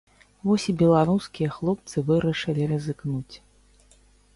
Вось і беларускія хлопцы вырашылі рызыкнуць.